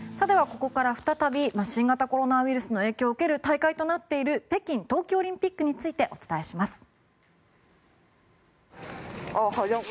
ではここから再び新型コロナウイルスの影響を受ける大会となっている北京冬季オリンピックについてお伝えします。